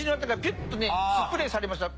ピュッとスプレーされました。